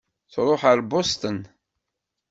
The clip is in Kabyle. Tṛuḥ ar Boston.